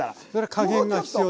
加減が必要です。